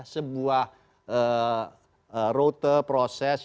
sebuah rote proses